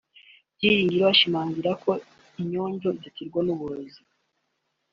Byiringiro ashimangira ko inyonjo idaterwa n’uburozi